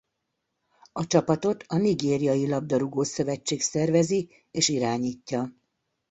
A csapatot a nigériai labdarúgó-szövetség szervezi és irányítja.